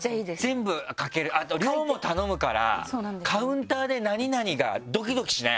全部書ける量も頼むからカウンターで何々がドキドキしない？